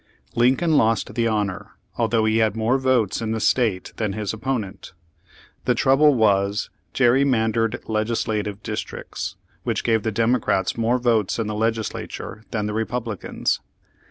Lincoln lost the honor, although he had more votes in the state than his opponent. The trouble was gerrymand ered legislative districts, which gave the Demo crats more votes in the Legislature than the Re publicans.